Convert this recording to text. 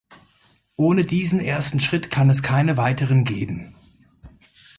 Ohne diesen ersten Schritt kann es keine weiteren geben.